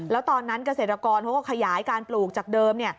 แล้วตอนนั้นเกษตรกรเขาก็ขยายการปลูกจากเดิม